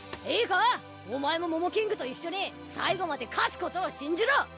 いいかお前もモモキングと一緒に最後まで勝つことを信じろ！